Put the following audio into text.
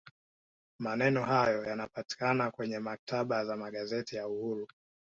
maneno hayo yanapatikana kwenye maktaba za magazeti ya uhuru